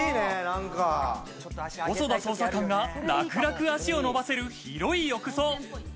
細田捜査官が楽々足を伸ばせる広い浴槽。